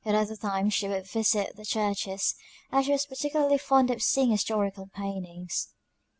At other times she would visit the churches, as she was particularly fond of seeing historical paintings.